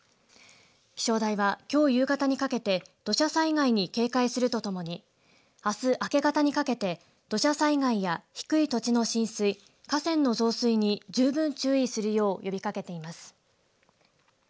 気象台は、きょう夕方にかけて土砂災害に警戒するとともにあす明け方にかけて土砂災害や低い土地の浸水河川の増水に十分注意するよう呼びかけています。